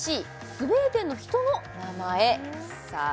スウェーデンの人の名前さあ